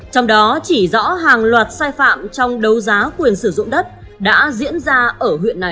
trong đó chỉ rõ hàng loạt sai phạm trong đấu giá quyền sử dụng đất đã diễn ra ở huyện này